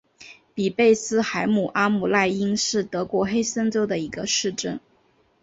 比贝斯海姆阿姆赖因是德国黑森州的一个市镇。